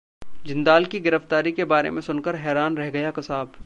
जिंदाल की गिरफ्तारी के बारे में सुनकर हैरान रह गया कसाब